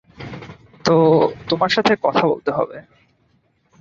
তো, তোমার সাথে কথা বলতে হবে।